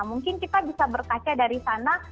mungkin kita bisa berkaca dari sana